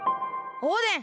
オーデン